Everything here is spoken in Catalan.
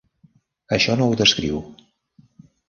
Això no ho descriu.